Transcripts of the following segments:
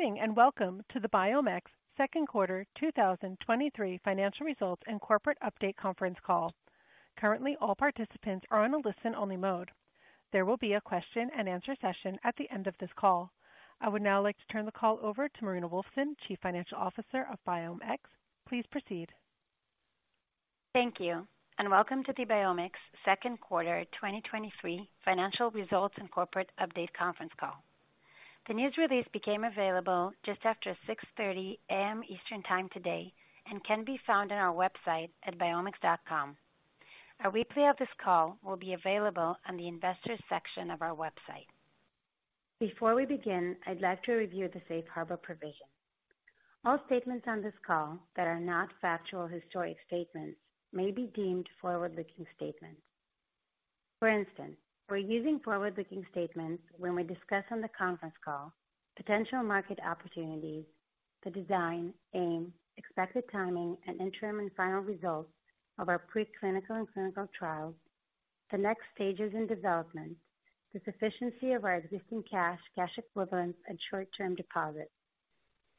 Good morning, welcome to the BiomX second quarter 2023 financial results and corporate update conference call. Currently, all participants are on a listen-only mode. There will be a question and answer session at the end of this call. I would now like to turn the call over to Marina Wolfson, Chief Financial Officer of BiomX. Please proceed. Thank you, welcome to the BiomX second quarter 2023 financial results and corporate update conference call. The news release became available just after 6:30 A.M. Eastern Time today and can be found on our website biomx.com. A replay of this call will be available on the investors section of our website. Before we begin, I'd like to review the Safe Harbor provision. All statements on this call that are not factual historic statements may be deemed forward-looking statements. For instance, we're using forward-looking statements when we discuss on the conference call potential market opportunities, the design, aim, expected timing, and interim and final results of our preclinical and clinical trials, the next stages in development, the sufficiency of our existing cash, cash equivalents, and short-term deposits,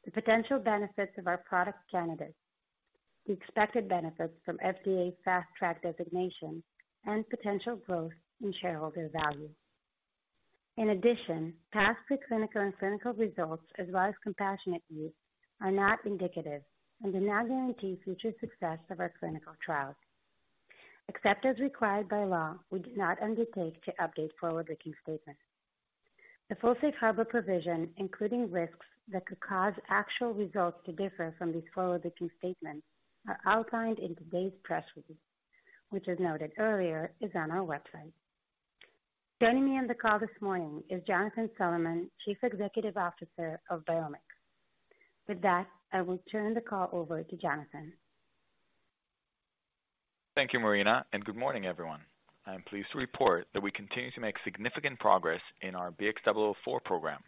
the potential benefits of our product candidates, the expected benefits from FDA Fast Track designation, and potential growth in shareholder value. In addition, past preclinical and clinical results, as well as compassionate use, are not indicative and do not guarantee future success of our clinical trials. Except as required by law, we do not undertake to update forward-looking statements. The full Safe Harbor provision, including risks that could cause actual results to differ from these forward-looking statements, are outlined in today's press release, which is noted earlier, is on our website. Joining me on the call this morning is Jonathan Solomon, Chief Executive Officer of BiomX. With that, I will turn the call over to Jonathan. Thank you, Marina, and good morning, everyone. I'm pleased to report that we continue to make significant progress in our BX004 program.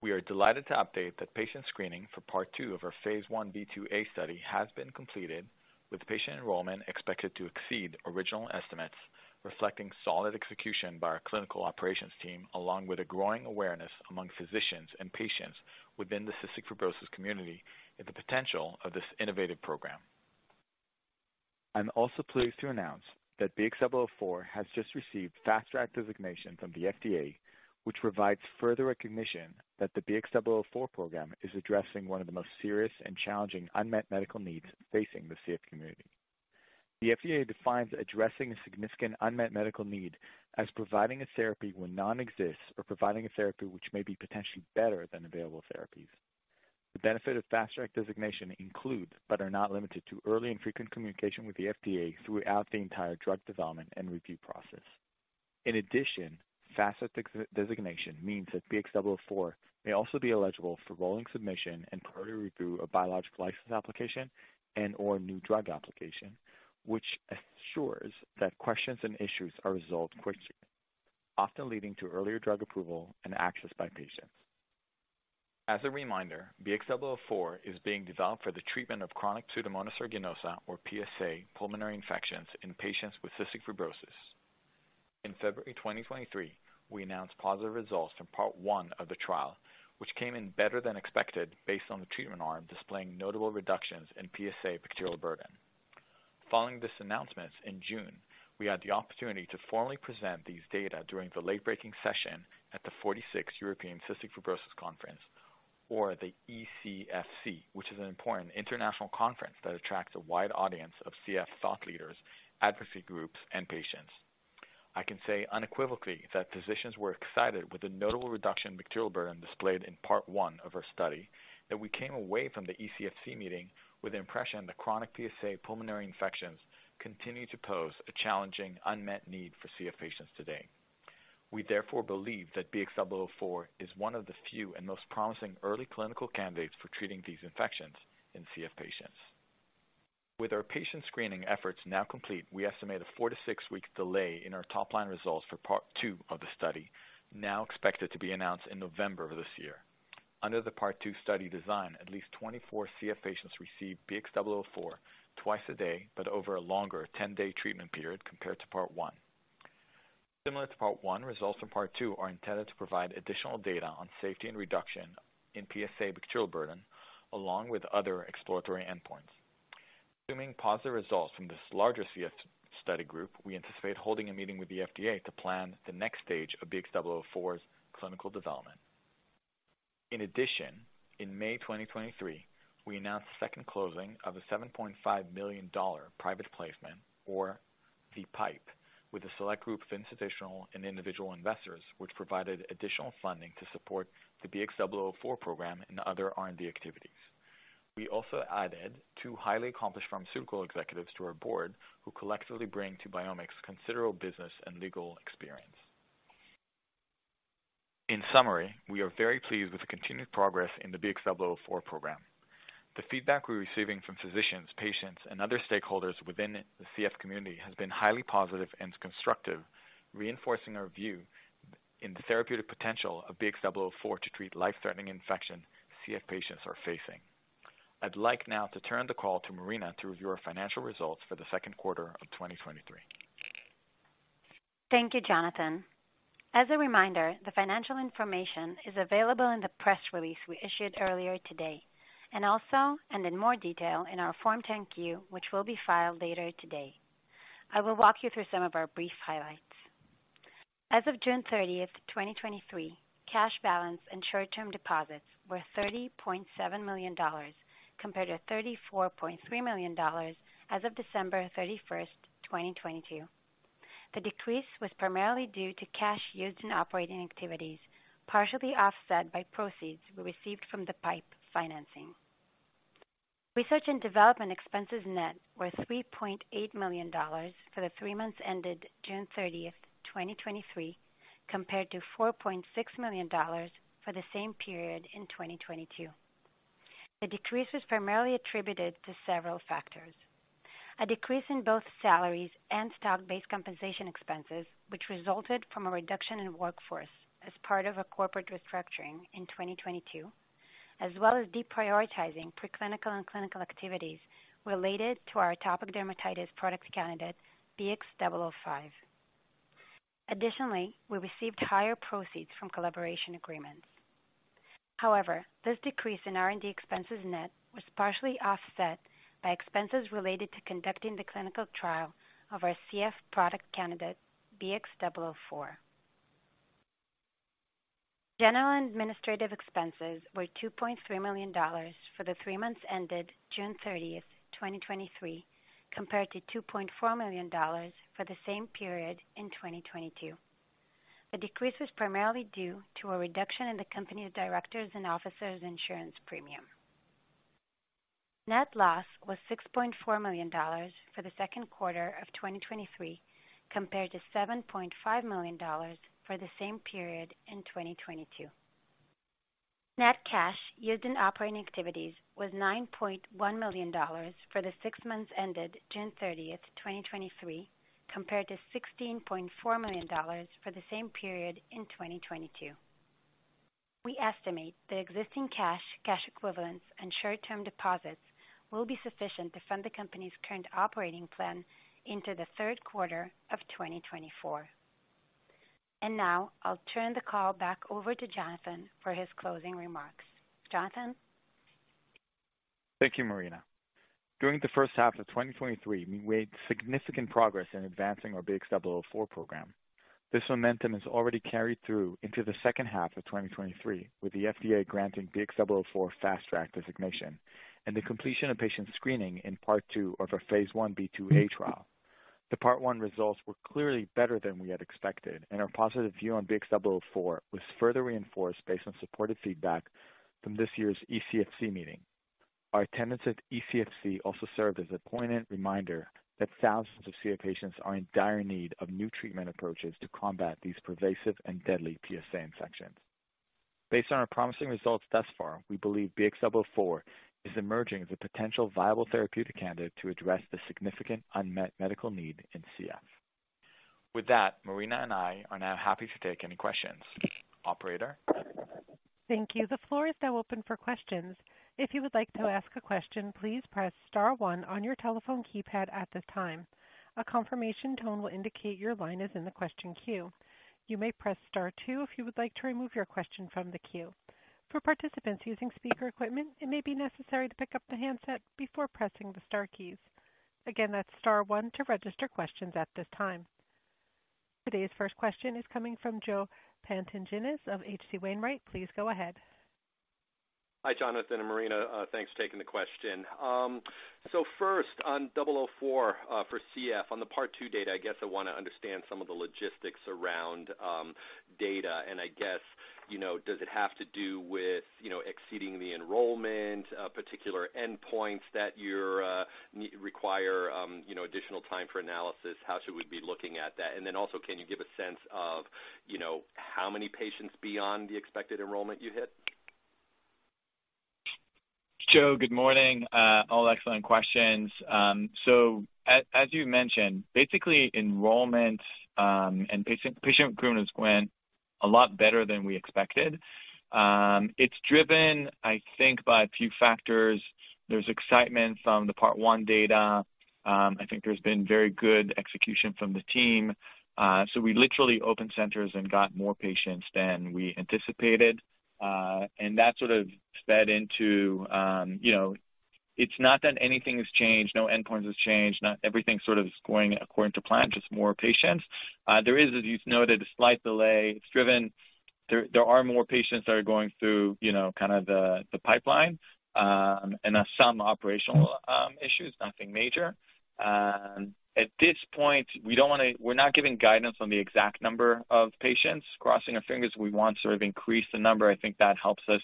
We are delighted to update that patient screening for part 2 of our phase 1b/2a study has been completed, with patient enrollment expected to exceed original estimates, reflecting solid execution by our clinical operations team, along with a growing awareness among physicians and patients within the cystic fibrosis community and the potential of this innovative program. I'm also pleased to announce that BX004 has just received Fast Track designation from the FDA, which provides further recognition that the BX004 program is addressing one of the most serious and challenging unmet medical needs facing the CF community. The FDA defines addressing a significant unmet medical need as providing a therapy when none exists or providing a therapy which may be potentially better than available therapies. The benefit of Fast Track designation includes, but are not limited to, early and frequent communication with the FDA throughout the entire drug development and review process. Fast Track designation means that BX004 may also be eligible for rolling submission and priority review of biologics license application and/or new drug application, which assures that questions and issues are resolved quickly, often leading to earlier drug approval and access by patients. As a reminder, BX004 is being developed for the treatment of chronic Pseudomonas aeruginosa, or PSA, pulmonary infections in patients with cystic fibrosis. In February 2023, we announced positive results from part 1 of the trial, which came in better than expected based on the treatment arm, displaying notable reductions in PSA bacterial burden. Following this announcement, in June, we had the opportunity to formally present these data during the late-breaking session at the 46th European Cystic Fibrosis Conference, or the ECFC, which is an important international conference that attracts a wide audience of CF thought leaders, advocacy groups, and patients. I can say unequivocally that physicians were excited with the notable reduction in bacterial burden displayed in part one of our study, that we came away from the ECFC meeting with the impression that chronic PSA pulmonary infections continue to pose a challenging, unmet need for CF patients today. We therefore believe that BX004 is one of the few and most promising early clinical candidates for treating these infections in CF patients. With our patient screening efforts now complete, we estimate a 4-6 week delay in our top line results for Part 2 of the study, now expected to be announced in November of this year. Under the Part 2 study design, at least 24 CF patients received BX004 twice a day, but over a longer 10-day treatment period compared to Part 1. Similar to Part 1, results from Part 2 are intended to provide additional data on safety and reduction in PSA bacterial burden, along with other exploratory endpoints. Assuming positive results from this larger CF study group, we anticipate holding a meeting with the FDA to plan the next stage of BX004's clinical development. In May 2023, we announced the second closing of a $7.5 million private placement, or the PIPE, with a select group of institutional and individual investors, which provided additional funding to support the BX004 program and other R&D activities. We also added two highly accomplished pharmaceutical executives to our board, who collectively bring to BiomX considerable business and legal experience. We are very pleased with the continued progress in the BX004 program. The feedback we're receiving from physicians, patients, and other stakeholders within the CF community has been highly positive and constructive, reinforcing our view in the therapeutic potential of BX004 to treat life-threatening infection CF patients are facing. I'd like now to turn the call to Marina to review our financial results for the second quarter of 2023. ...Thank you, Jonathan. As a reminder, the financial information is available in the press release we issued earlier today, and also, and in more detail, in our Form 10-Q, which will be filed later today. I will walk you through some of our brief highlights. As of June 30, 2023, cash balance and short-term deposits were $30.7 million, compared to $34.3 million as of December 31, 2022. The decrease was primarily due to cash used in operating activities, partially offset by proceeds we received from the PIPE financing. Research and development expenses net were $3.8 million for the three months ended June 30, 2023, compared to $4.6 million for the same period in 2022. The decrease was primarily attributed to several factors. A decrease in both salaries and stock-based compensation expenses, which resulted from a reduction in workforce as part of a corporate restructuring in 2022, as well as deprioritizing preclinical and clinical activities related to our atopic dermatitis product candidate, BX005. Additionally, we received higher proceeds from collaboration agreements. However, this decrease in R&D expenses net was partially offset by expenses related to conducting the clinical trial of our CF product candidate, BX004. General administrative expenses were $2.3 million for the three months ended June 30, 2023, compared to $2.4 million for the same period in 2022. The decrease was primarily due to a reduction in the company's directors and officers insurance premium. Net loss was $6.4 million for the second quarter of 2023, compared to $7.5 million for the same period in 2022. Net cash used in operating activities was $9.1 million for the six months ended June 30, 2023, compared to $16.4 million for the same period in 2022. We estimate the existing cash, cash equivalents, and short-term deposits will be sufficient to fund the company's current operating plan into the third quarter of 2024. Now I'll turn the call back over to Jonathan for his closing remarks. Jonathan? Thank you, Marina. During the first half of 2023, we made significant progress in advancing our BX004 program. This momentum is already carried through into the second half of 2023, with the FDA granting BX004 Fast Track designation and the completion of patient screening in Part 2 of our phase 1b/2a trial. The Part 1 results were clearly better than we had expected, and our positive view on BX004 was further reinforced based on supportive feedback from this year's ECFC meeting. Our attendance at ECFC also served as a poignant reminder that thousands of CF patients are in dire need of new treatment approaches to combat these pervasive and deadly PSA infections. Based on our promising results thus far, we believe BX004 is emerging as a potential viable therapeutic candidate to address the significant unmet medical need in CF. With that, Marina and I are now happy to take any questions. Operator? Thank you. The floor is now open for questions. If you would like to ask a question, please press star one on your telephone keypad at this time. A confirmation tone will indicate your line is in the question queue. You may press star two if you would like to remove your question from the queue. For participants using speaker equipment, it may be necessary to pick up the handset before pressing the star keys. Again, that's star one to register questions at this time. Today's first question is coming from Joe Pantginis of H.C. Wainwright. Please go ahead. Hi, Jonathan and Marina. Thanks for taking the question. So first, on BX004, for CF, on the Part Two data, I guess I wanna understand some of the logistics around data. I guess, you know, does it have to do with, you know, exceeding the enrollment, particular endpoints that you're re- require, additional time for analysis? How should we be looking at that? Then also, can you give a sense of, you know, how many patients beyond the expected enrollment you hit? Joe, good morning. All excellent questions. As you mentioned, basically enrollment, and patient, patient accrual is going a lot better than we expected. It's driven, I think, by a few factors. There's excitement from the Part One data. I think there's been very good execution from the team. We literally opened centers and got more patients than we anticipated. That sort of fed into, you know, it's not that anything has changed, no endpoints has changed, not everything sort of is going according to plan, just more patients. There is, as you've noted, a slight delay. It's driven. There are more patients that are going through, you know, kind of the, the pipeline, and some operational issues, nothing major. At this point, we're not giving guidance on the exact number of patients. Crossing our fingers, we want to sort of increase the number. I think that helps us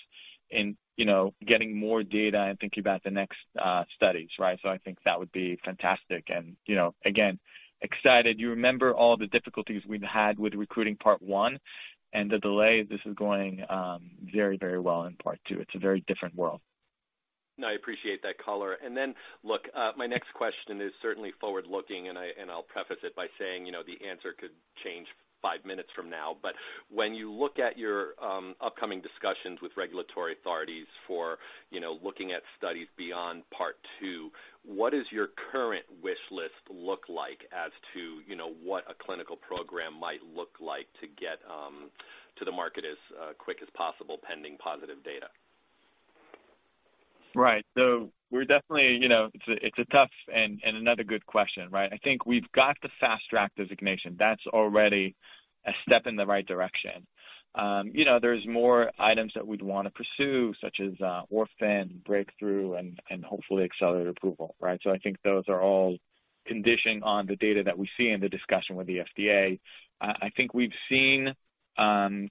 in, you know, getting more data and thinking about the next studies, right? I think that would be fantastic. You know, again, excited. You remember all the difficulties we've had with recruiting Part One and the delay. This is going very, very well in Part Two. It's a very different world. No, I appreciate that color. Look, my next question is certainly forward-looking, and I, and I'll preface it by saying, you know, the answer could change 5 minutes from now, but when you look at your upcoming discussions with regulatory authorities for, you know, looking at studies beyond Part Two, what is your current wish list look like as to, you know, what a clinical program might look like to get to the market as quick as possible, pending positive data? Right. We're definitely, you know, it's a, it's a tough and, and another good question, right? I think we've got the Fast Track designation. That's already a step in the right direction. You know, there's more items that we'd want to pursue, such as Orphan, Breakthrough, and hopefully Accelerated Approval, right? I think those are all conditioning on the data that we see in the discussion with the FDA. I think we've seen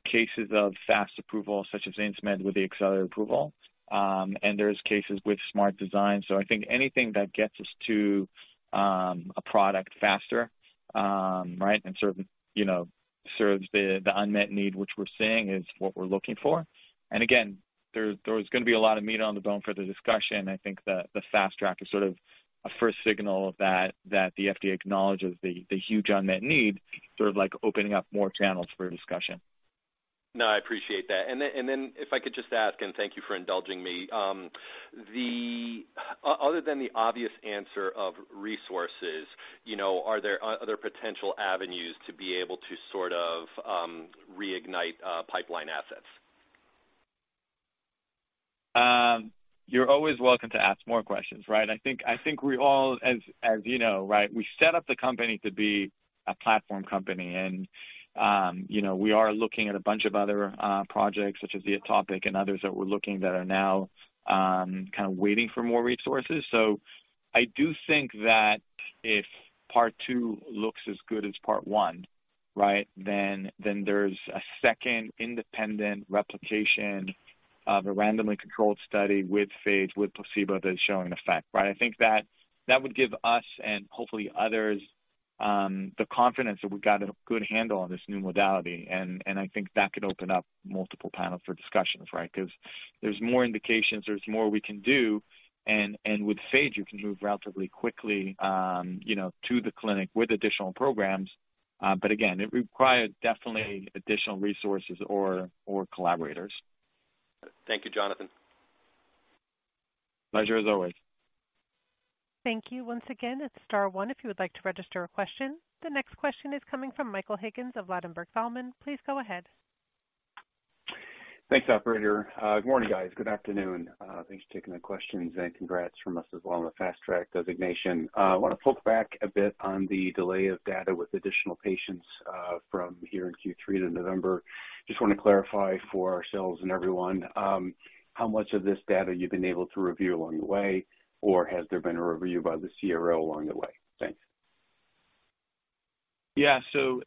cases of fast approval, such as Ameensmed, with the Accelerated Approval. There's cases with smart design. I think anything that gets us to a product faster, right, and certain, you know, serves the unmet need, which we're seeing is what we're looking for. Again, there was going to be a lot of meat on the bone for the discussion. I think the Fast Track is sort of a first signal that the FDA acknowledges the huge unmet need, sort of like opening up more channels for discussion. No, I appreciate that. Then, and then if I could just ask, and thank you for indulging me. The other than the obvious answer of resources, you know, are there other potential avenues to be able to sort of, reignite, pipeline assets? You're always welcome to ask more questions, right? I think, I think we all as, as you know, right, we set up the company to be a platform company, and, you know, we are looking at a bunch of other projects such as the atopic and others that we're looking that are now kind of waiting for more resources. I do think that if Part Two looks as good as Part One, right, then, then there's a second independent replication of a randomly controlled study with phage, with placebo that is showing effect, right? I think that, that would give us and hopefully others, the confidence that we've got a good handle on this new modality. I think that could open up multiple panels for discussions, right? Because there's more indications, there's more we can do. With phage, you can move relatively quickly, you know, to the clinic with additional programs. Again, it requires definitely additional resources or, or collaborators. Thank you, Jonathan. Pleasure, as always. Thank you. Once again, it's star one if you would like to register a question. The next question is coming from Michael Higgins of Ladenburg Thalmann. Please go ahead. Thanks, operator. Good morning, guys. Good afternoon. Thanks for taking the questions, and congrats from us as well on the Fast Track designation. I want to pull back a bit on the delay of data with additional patients, from here in Q3 to November. Just want to clarify for ourselves and everyone, how much of this data you've been able to review along the way, or has there been a review by the CRO along the way? Thanks. Yeah.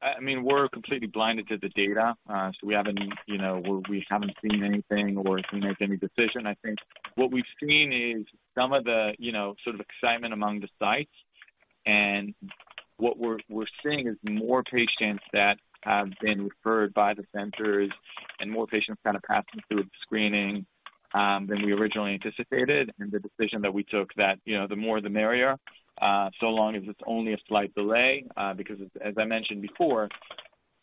I mean, we're completely blinded to the data. We haven't, you know, we, we haven't seen anything or if there's any decision. I think what we've seen is some of the, you know, sort of excitement among the sites. What we're, we're seeing is more patients that have been referred by the centers and more patients kind of passing through the screening than we originally anticipated. The decision that we took that, you know, the more the merrier, so long as it's only a slight delay, because as I mentioned before,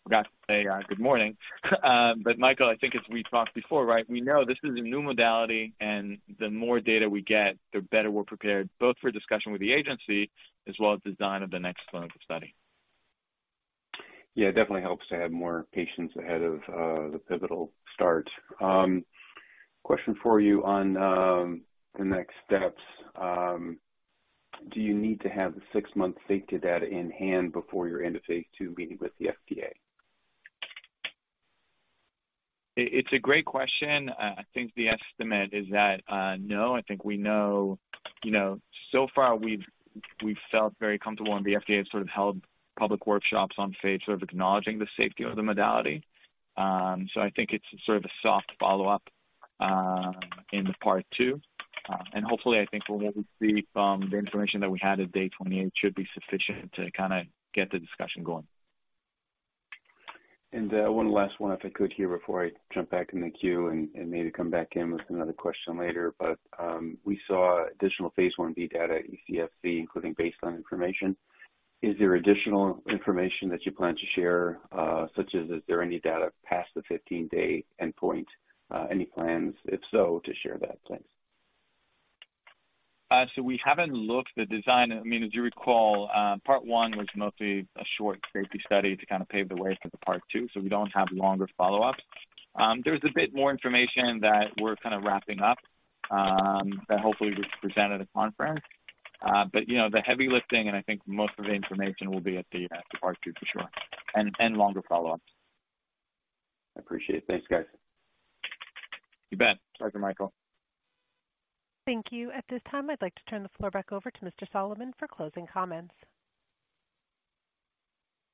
forgot to say, good morning. Michael, I think as we talked before, right, we know this is a new modality, and the more data we get, the better we're prepared, both for discussion with the agency as well as design of the next clinical study. Yeah, it definitely helps to have more patients ahead of the pivotal start. Question for you on the next steps. Do you need to have the 6-month safety data in hand before your end of phase II meeting with the FDA? It's a great question. I think the estimate is that, no, I think we know. You know, so far we've felt very comfortable, and the FDA has sort of held public workshops on phage, sort of acknowledging the safety of the modality. I think it's sort of a soft follow-up in the Part 2. Hopefully, I think what we'll see from the information that we had at day 28 should be sufficient to kind of get the discussion going. One last one, if I could here, before I jump back in the queue and, and maybe come back in with another question later. We saw additional phase 1b data at ECFC, including baseline information. Is there additional information that you plan to share, such as, is there any data past the 15-day endpoint? Any plans, if so, to share that, please? We haven't looked the design. I mean, as you recall, Part 1 was mostly a short safety study to kind of pave the way for the Part 2, we don't have longer follow-up. There's a bit more information that we're kind of wrapping up, that hopefully we present at a conference. You know, the heavy lifting, and I think most of the information will be at the Part 2 for sure, and, and longer follow-up. I appreciate it. Thanks, guys. You bet. Thank you, Michael. Thank you. At this time, I'd like to turn the floor back over to Mr. Solomon for closing comments.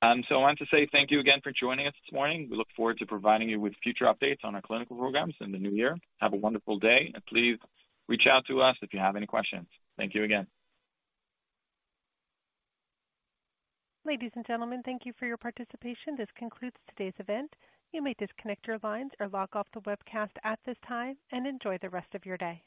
I want to say thank you again for joining us this morning. We look forward to providing you with future updates on our clinical programs in the new year. Have a wonderful day, and please reach out to us if you have any questions. Thank you again. Ladies and gentlemen, thank you for your participation. This concludes today's event. You may disconnect your lines or log off the webcast at this time, and enjoy the rest of your day.